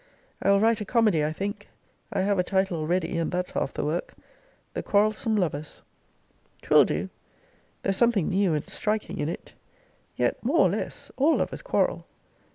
I will write a comedy, I think: I have a title already; and that's half the work. The Quarrelsome Lovers. 'Twill do. There's something new and striking in it. Yet, more or less, all lovers quarrel.